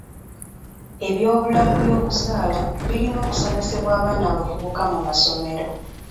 Ebyobulamu byokuzaala birina okusomesebwa abaana abavubuka mu masomero.